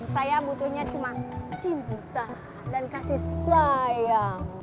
saya butuhnya cuma cinta dan kasih sayang